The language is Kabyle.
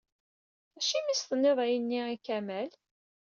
Acimi i as-tenniḍ ayenni i Kamal?